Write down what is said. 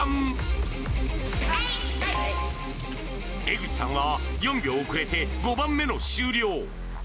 江口さんは４秒遅れて５番目の終了。